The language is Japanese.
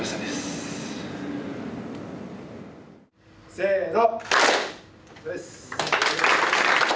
せの！